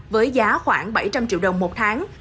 với giá khoảng bảy trăm linh triệu đồng một tháng